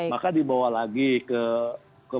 maka dibawa lagi ke